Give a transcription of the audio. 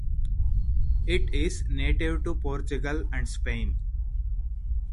It is native to Portugal and Spain.